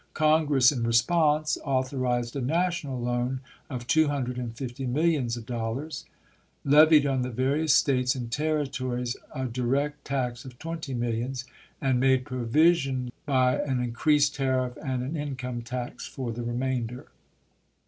Con gress in response authorized a national loan of two hundred and fifty millions of dollars; levied on the various States and Temtories a direct tax of twenty millions; and made provision by an increased tariff and an income tax for the remainder.